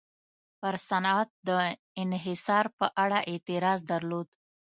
پر صنعت د انحصار په اړه اعتراض درلود.